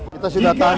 kita sudah tahan